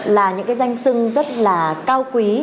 là những cái danh sưng rất là cao quý